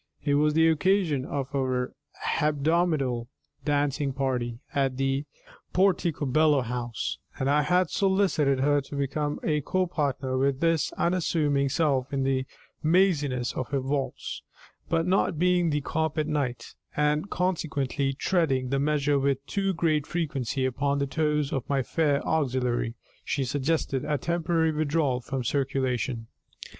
It was the occasion of our hebdomadal dancing party at Porticobello House, and I had solicited her to become a copartner with this unassuming self in the maziness of a waltz; but, not being the carpet knight, and consequently treading the measure with too great frequency upon the toes of my fair auxiliary, she suggested a temporary withdrawal from circulation.